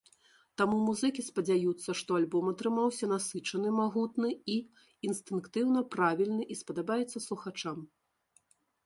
Таму музыкі спадзяюцца, што альбом атрымаўся насычаны, магутны і інстынктыўна правільны і спадабаецца слухачам.